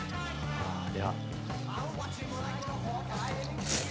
では。